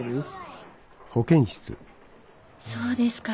そうですか。